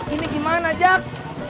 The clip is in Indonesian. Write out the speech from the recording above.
ini gimana jak